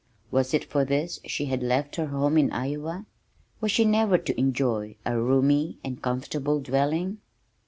Was it for this she had left her home in Iowa. Was she never to enjoy a roomy and comfortable dwelling?